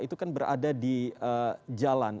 itu kan berada di jalan